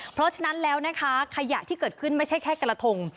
เพราะฉะนั้นแล้วนะคะขยะที่เกิดขึ้นไม่ใช่แค่กระทง